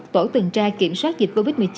tổ tuần tra kiểm soát dịch covid một mươi chín